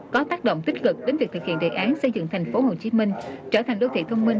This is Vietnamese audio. có tác động tích cực đến việc thực hiện đề án xây dựng tp hcm trở thành đô thị thông minh